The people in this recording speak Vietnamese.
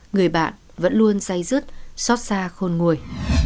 người bạn vẫn luôn say rứt xót xa khôn ngồi